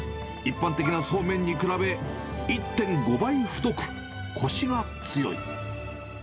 一般的なそうめんに比べ、１．５倍太く、こしが強い。